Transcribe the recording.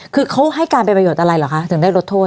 คือเขาให้การเป็นประโยชน์อะไรเหรอคะถึงได้ลดโทษ